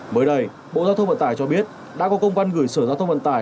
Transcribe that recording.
mới đây bộ giao thông vận tải cho biết đã có công văn gửi sở giao thông vận tải